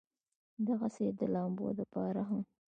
دغسې د لامبلو د پاره هم